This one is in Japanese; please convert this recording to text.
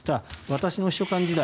私の秘書官時代